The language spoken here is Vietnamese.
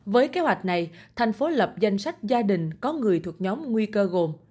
với kế hoạch này thành phố lập danh sách gia đình có người thuộc nhóm nguy cơ gồm